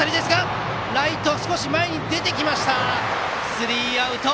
スリーアウト。